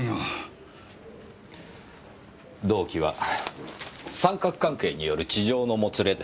動機は三角関係による痴情のもつれですか。